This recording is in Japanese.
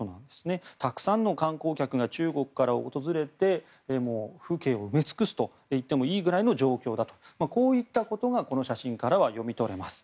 たくさんの観光客が中国から訪れて風景を埋め尽くすといってもいいぐらいの状況だとこういったことがこの写真からは読み取れます。